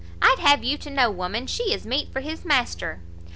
I'd have you to know, woman, she is meat for his master."